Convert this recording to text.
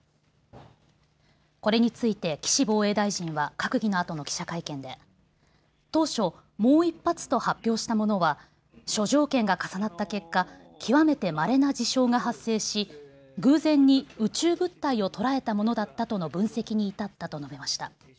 これについて岸防衛大臣は閣議のあとの記者会見で当初、もう１発と発表したものは諸条件が重なった結果、極めてまれな事象が発生し偶然に宇宙物体を捉えたものだったとの分析に至ったと述べました。